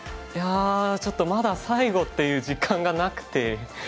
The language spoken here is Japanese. いやちょっとまだ最後っていう実感がなくて。